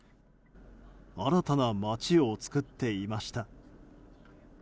新たな街を作っていました。